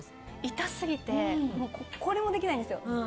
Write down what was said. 痛すぎてこれもできないんですよ。